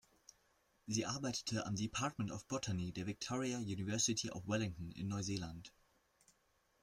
Sie arbeitete am Department of Botany der Victoria University of Wellington in Neuseeland.